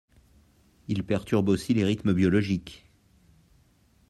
Il perturbe aussi les rythmes biologiques.